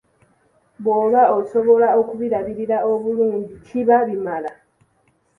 Bwoba osobola okubirabirira obulungi kiba bimala.